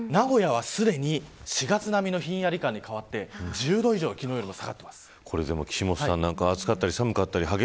名古屋はすでに４月並みのひんやり感に変わって１０度以上昨日より下がっています。